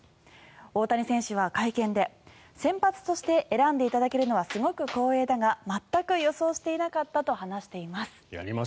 大谷選手は会見で先発として選んでいただけるのはすごく光栄だが全く予想していなかったと話しています。